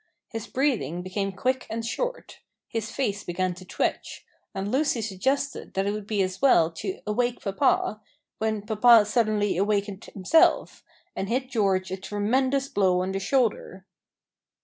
His breathing became quick and short; his face began to twitch; and Lucy suggested that it would be as well to "awake papa," when papa suddenly awaked himself; and hit George a tremendous blow on the shoulder.